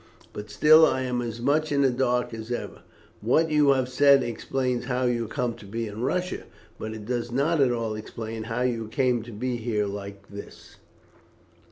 But still, I am as much in the dark as ever. What you have said explains how you come to be in Russia, but it does not at all explain how you came to be here like this."